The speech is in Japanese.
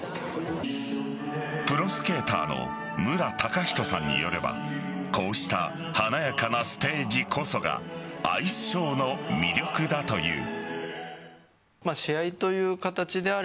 プロスケーターの無良崇人さんによればこうした華やかなステージこそがアイスショーの魅力だという。